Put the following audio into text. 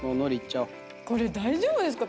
これ大丈夫ですか？